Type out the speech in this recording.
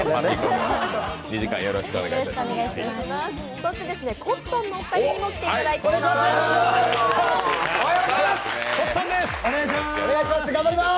そしてコットンのお二人にも来ていただいています。